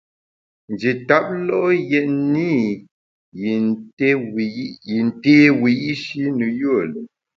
Nji tap lo’ yètne i yin té wiyi’shi ne yùe lùm.